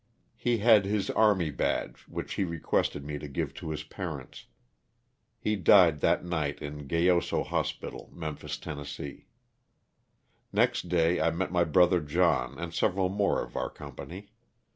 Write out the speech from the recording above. He had his army badge which he requested me to give to his parents. He died that night at Gayoso Hospital, Memphis, Tenn. Next day I met my brother John and several more of our com pany.